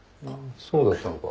そうだったのか。